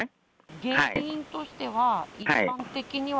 原因としては、一般的には？